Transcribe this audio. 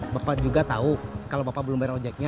bapak juga tau kalo bapak belum bayar ojeknya